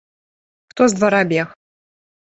Хто з двара бег?